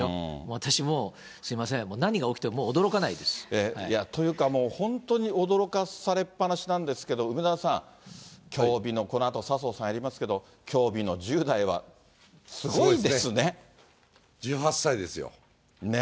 私、もう、すみません、何が起きというか、本当に驚かされっぱなしなんですけど、梅沢さん、きょうびのこのあと笹生さんがありますけど、１８歳ですよ。ね。